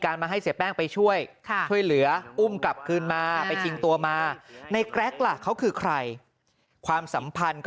การมาให้เสร็จแป้งไปช่วยช่วยเหลืออุ้มกลับคืนมาไปทิ้ง